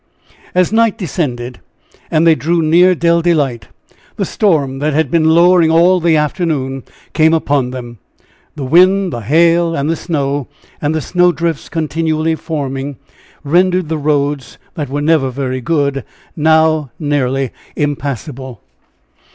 As night descended, and they drew near Dell Delight, the storm that had been lowering all the afternoon came upon them. The wind, the hail, and the snow, and the snow drifts continually forming, rendered the roads, that were never very good, now nearly impassable.